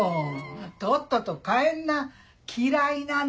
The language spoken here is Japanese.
とっとと帰んな嫌いなの！